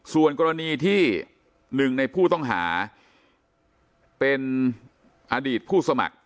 ส่วนกรณีที่หนึ่งในผู้ต้องหาเป็นอดีตผู้สมัคร